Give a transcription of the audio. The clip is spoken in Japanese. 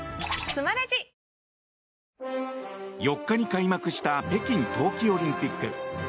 ４日に開幕した北京冬季オリンピック。